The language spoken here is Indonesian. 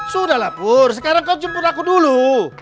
sudah lah pur sekarang kau jemput aku dulu